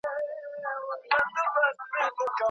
د چا د عقیدې په اړه ناسم قضاوت مه کوئ.